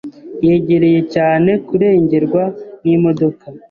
Yegereye cyane kurengerwa n'imodoka.